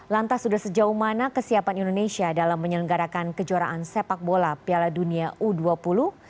lantas sudah sejauh mana kesiapan indonesia dalam menyelenggarakan kejuaraan sepak bola piala dunia u dua puluh